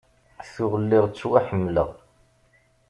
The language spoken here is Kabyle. Tuɣ lliɣ ttwaḥemmleɣ.